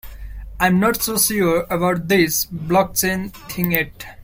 I'm not so sure about this block chain thing yet.